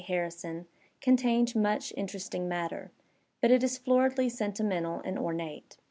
Har risoiiy contains much interesting matter, but it is floridly sentimental and ornate.